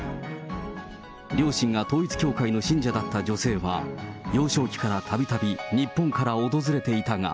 両親が統一教会の信者だった女性は、幼少期からたびたび日本から訪れていたが。